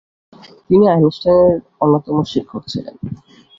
তিনি আইনস্টাইনের অন্যতম শিক্ষক ছিলেন।